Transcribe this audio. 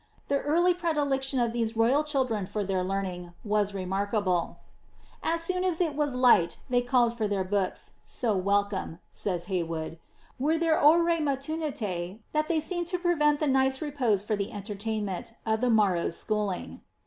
The early predilection of these royal children for their learning was remarkable. ^ As soon as it was light they called for their books ; so welcome,^ says Hey wood, ^ were their ?ior<B nuU»' iina that they seemed to prevent the night's repose for the entertain ment of the morrow's schooling."